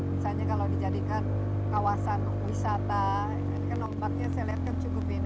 misalnya kalau dijadikan kawasan wisata ini kan ombaknya saya lihat kan cukup ini